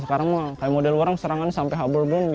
sekarang model orang serangan sampai habor